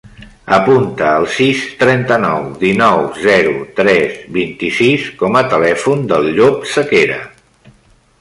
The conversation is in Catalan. Apunta el sis, trenta-nou, dinou, zero, tres, vint-i-sis com a telèfon del Llop Sequera.